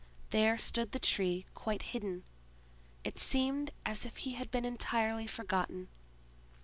There stood the Tree quite hidden; it seemed as if he had been entirely forgotten.